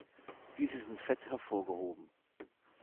Diese sind fett hervorgehoben.